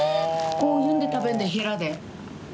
こういうので食べるんだよヘラで。